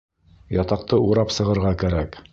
Ятаҡты урап сығырға кәрәк.